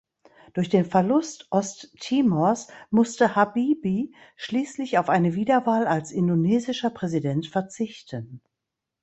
Durch den Verlust Osttimors musste Habibie schließlich auf eine Wiederwahl als indonesischer Präsident verzichten.